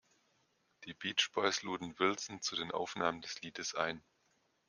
Die Beach Boys luden Wilson zu den Aufnahmen des Liedes ein.